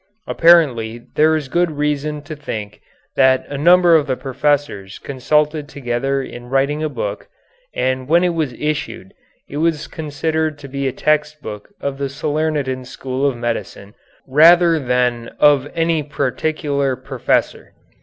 Apparently there is good reason to think that a number of the professors consulted together in writing a book, and when it was issued it was considered to be a text book of the Salernitan school of medicine rather than of any particular professor.